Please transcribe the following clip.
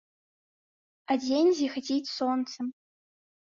А дзень зіхаціць сонцам.